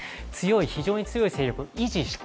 非常に強い勢力を維持して